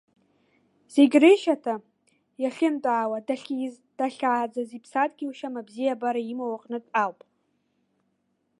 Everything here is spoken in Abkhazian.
Зегь рышьаҭа, иахьынтәаауа, дахьиз, дахьааӡаз иԥсадгьылшьам абзиабара имоу аҟынтә ауп.